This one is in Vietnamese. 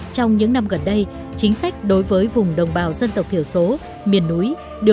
trong những năm gần đây chính sách đối với vùng đồng bào dân tộc thiểu số miền núi